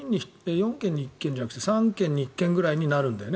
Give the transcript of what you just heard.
４軒に１軒じゃなくて３軒に１軒ぐらいになるんだよね